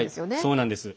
そうなんです。